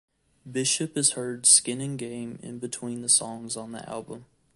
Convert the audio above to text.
Bishop is heard "Skinin Game" in between the songs on the album.